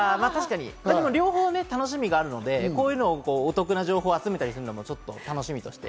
でも両方楽しみがあるので、お得な情報を集めたりするのも楽しみとして。